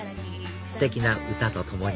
ステキな歌と共に